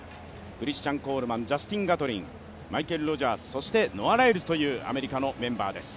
クリスチャン・コールマン、ジャスティン・ガトリン、マイケル・ロジャース、ノア・ライルズというアメリカのメンバーです。